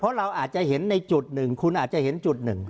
เพราะเราอาจจะเห็นในจุดหนึ่งคุณอาจจะเห็นจุดหนึ่ง